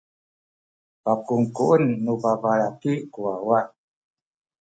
pakungkuen nu babalaki ku wawa.